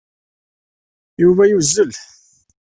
Yuba yuzzel.